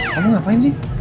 kamu ngapain sih